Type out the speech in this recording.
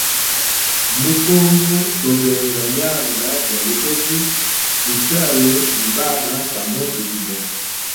Mu congo to benga myanda ya lugozi tu chale bi bana ba mundu gumo.